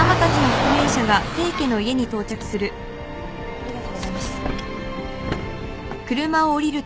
ありがとうございます。